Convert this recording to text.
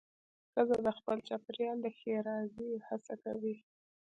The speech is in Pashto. ښځه د خپل چاپېریال د ښېرازۍ هڅه کوي.